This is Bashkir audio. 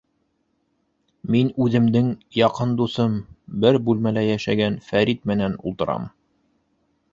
Мин үҙемдең яҡын дуҫым, бер бүлмәлә йәшәгән Фәрит менән ултырам.